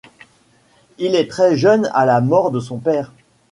Il est très jeune à la mort de son père.